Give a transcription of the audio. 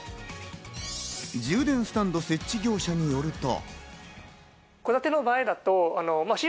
充電スタンド設置業者によると。